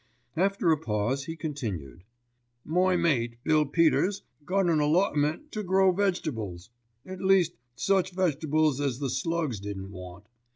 After a pause he continued, "My mate, Bill Peters, got an allotment to grow vegetables, at least such vegetables as the slugs didn't want.